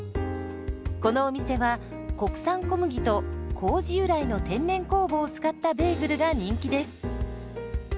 このお店は国産小麦と麹由来の天然酵母を使ったベーグルが人気です。